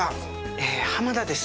え濱田です。